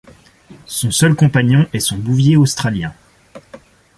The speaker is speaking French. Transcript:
Son seul compagnon est son bouvier australien.